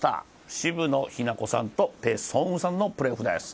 渋野日向子さんとペ・ソンウさんのプレーオフです。